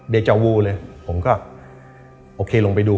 จะวูเลยผมก็โอเคลงไปดู